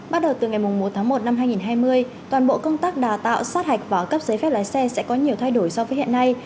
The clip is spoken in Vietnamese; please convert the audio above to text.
bắt đầu từ ngày một tháng một năm hai nghìn hai mươi toàn bộ công tác đào tạo sát hạch và cấp giấy phép lái xe sẽ có nhiều thay đổi so với hiện nay